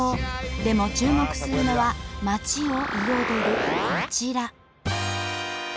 でも注目するのは街を彩るこちら。